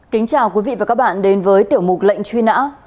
kính chào quý vị và các bạn đến với tiểu mục lệnh truy nã